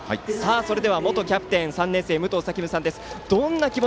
それでは元キャプテン３年生むとうさくらさんです。